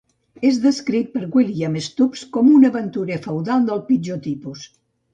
És descrit per William Stubbs com "un aventurer feudal del pitjor tipus".